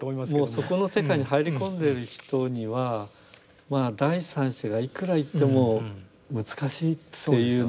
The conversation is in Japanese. もうそこの世界に入り込んでる人には第三者がいくら言っても難しいっていうのが実感ですね。